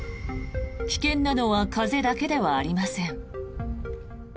危険なのは風だけではありません。